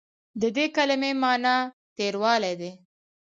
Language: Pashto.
د دې کلمې معني تریوالی دی.